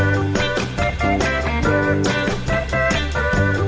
สวัสดีค่ะ